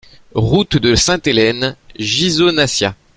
Route de Sainte-Helene, Ghisonaccia